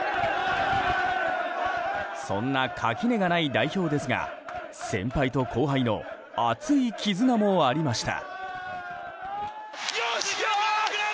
そんな垣根がない代表ですが先輩と後輩の熱い絆もありました。